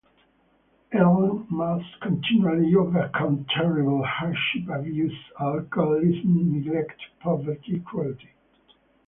Ellen must continually overcome terrible hardship- abuse, alcoholism, neglect, poverty, cruelty.